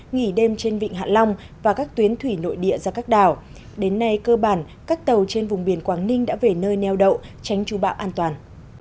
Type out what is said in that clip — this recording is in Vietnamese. nghỉ đêm trên vịnh hạ long và các tuyến thủy nội địa ra các đảo đến nay cơ bản các tàu trên vùng biển quảng ninh đã về nơi neo đậu tránh chú bão an toàn